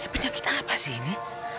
penyakitan apa sih ini